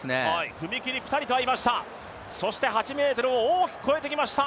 踏み切りピタリと合いました、そして８ｍを大きく越えてきました。